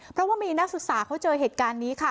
เพราะว่ามีนักศึกษาเขาเจอเหตุการณ์นี้ค่ะ